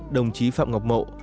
đồng chí phạm ngọc mậu